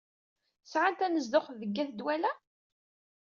Sɛan tanezduɣt deg at Dwala?